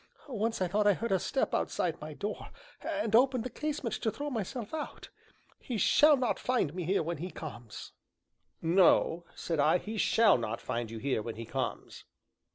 Once I thought I heard a step outside my door, and opened the casement to throw myself out; he shall not find me here when he comes." "No," said I, "he shall not find you here when he comes."